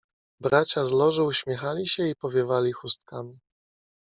"Bracia z Loży uśmiechali się i powiewali chustkami."